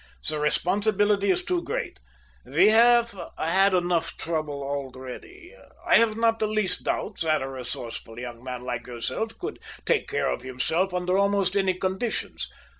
The responsibility is too great. We have had enough trouble already. I have not the least doubt that a resourceful young man like yourself could take care of himself under almost any conditions.